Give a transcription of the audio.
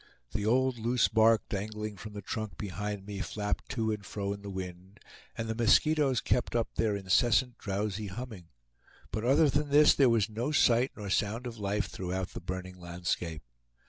The old loose bark dangling from the trunk behind me flapped to and fro in the wind, and the mosquitoes kept up their incessant drowsy humming; but other than this, there was no sight nor sound of life throughout the burning landscape.